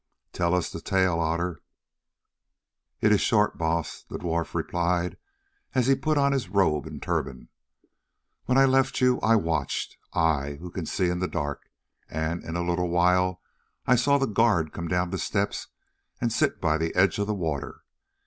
"Tell us the tale, Otter." "It is short, Baas," the dwarf replied, as he put on his robe and turban. "When I left you I watched, I who can see in the dark, and in a little while I saw the guard come down the steps and sit by the edge of the water.